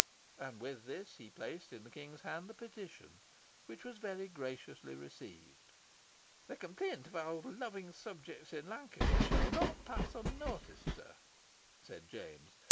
And with this he placed in the King's hands the petition, which Was very graciously received. "The complaint of our loving subjects in Lancashire shall not pass unnoticed, sir," said James.